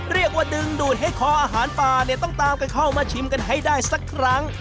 เรียกว่าดึงดูดให้คออาหารป่าเนี่ยต้องตามกันเข้ามาชิมกันให้ได้สักครั้ง